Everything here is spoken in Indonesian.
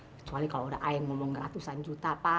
kecuali kalau ada ayah yang ngomong ratusan juta pa